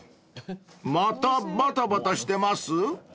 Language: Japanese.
［またばたばたしてます？］